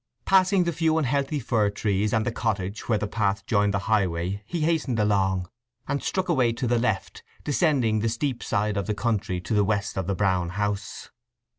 Passing the few unhealthy fir trees and cottage where the path joined the highway he hastened along, and struck away to the left, descending the steep side of the country to the west of the Brown House.